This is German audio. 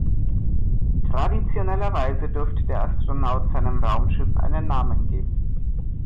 Traditionellerweise durfte der Astronaut seinem Raumschiff einen Namen geben.